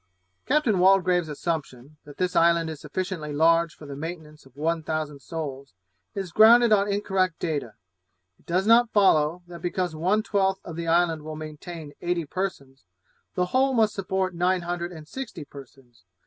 Captain Waldegrave's assumption, that this island is sufficiently large for the maintenance of one thousand souls, is grounded on incorrect data; it does not follow, that because one twelfth of the island will maintain eighty persons, the whole must support nine hundred and sixty persons.